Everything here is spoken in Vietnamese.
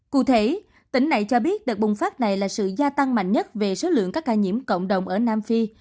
cụ thể tỉnh này cho biết đợt bùng phát này là sự gia tăng mạnh nhất về số lượng các ca nhiễm cộng đồng ở nam phi